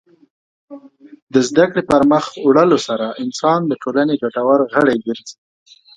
د زدهکړې پرمخ وړلو سره انسان د ټولنې ګټور غړی ګرځي.